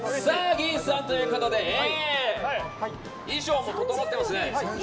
ギースさんということで衣装も整ってますね。